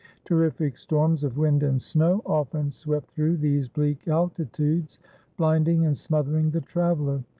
Terrific storms of wind and snow often swept through those bleak altitudes, blinding and smothering the traveler.